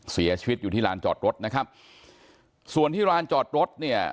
เสียชีวิตอยู่ที่ลานจอดรถนะครับส่วนที่ร้านจอดรถเนี่ย